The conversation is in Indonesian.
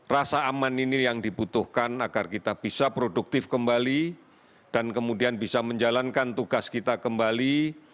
rasa aman ini yang dibutuhkan agar kita bisa produktif kembali dan kemudian bisa menjalankan tugas kita kembali